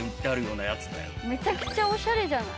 めちゃくちゃおしゃれじゃない？